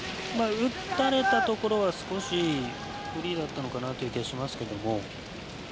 打たれたところは少しフリーだった気がしますけど。